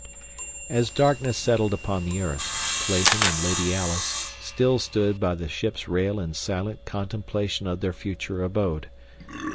As darkness settled upon the earth, Clayton and Lady Alice still stood by the ship's rail in silent contemplation of their future abode.